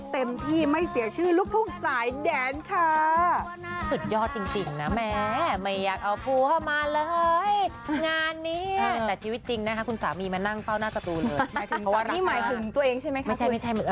เต็มที่ไม่เสียชื่อลูกทุ่งสายแดนค่ะ